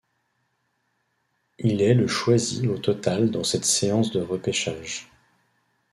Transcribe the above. Il est le choisi au total dans cette séance de repêchage.